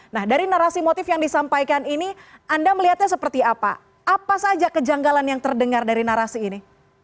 nah dari narasi motif yang disampaikan ini anda melihatnya seperti apa apa saja kejanggalan yang terdengar dari narasi ini